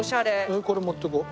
これ持っていこう。